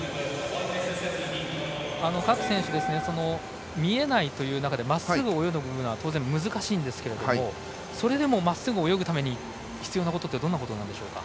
各選手、見えないという中でまっすぐ泳ぐのは当然難しいんですがそれでもまっすぐ泳ぐために必要なことってどんなことなんでしょうか。